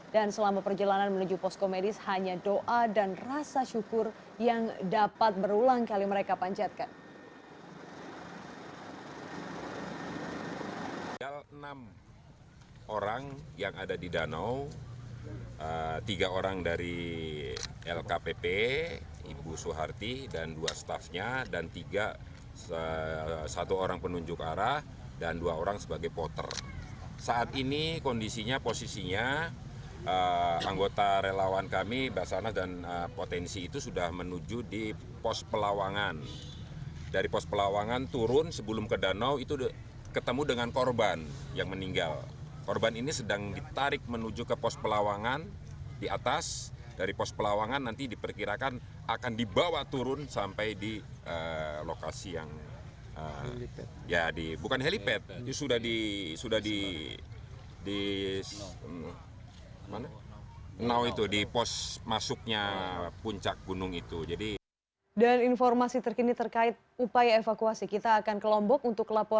dan selama perjalanan menuju pos komedis hanya doa dan rasa syukur yang dapat berulang kali mereka panjatkan